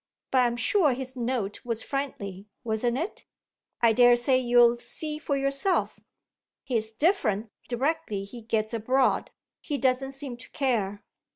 But I'm sure his note was friendly, wasn't it? I daresay you'll see for yourself. He's different directly he gets abroad; he doesn't seem to care."